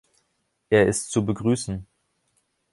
Er ist zu begrüßen.